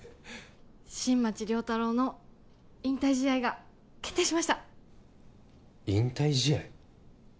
新町亮太郎の引退試合が決定しました引退試合？